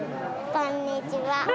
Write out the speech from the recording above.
こんにちは。